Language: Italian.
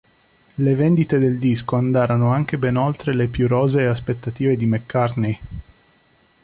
Le vendite del disco andarono anche ben oltre le più rosee aspettative di McCartney.